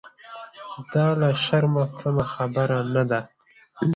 دا له شرمه کمه خبره نه ده.